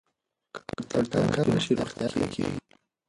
که ککړتیا کمه شي، روغتیا ښه کېږي.